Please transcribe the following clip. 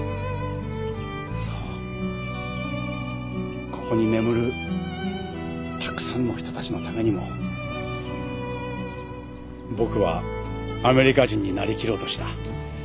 そうここに眠るたくさんの人たちのためにも僕はアメリカ人になりきろうとした。